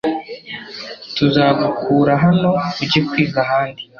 Tuzagukura hano ujye kwiga ahandi